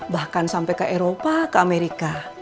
bahkan sampai ke eropa ke amerika